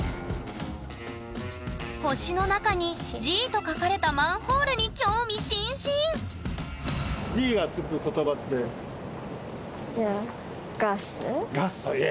星の中にＧと書かれたマンホールに興味津々ガス。